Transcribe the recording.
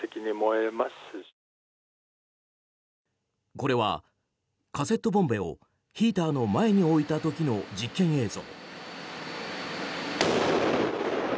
これはカセットボンベをヒーターの前に置いた時の実験映像。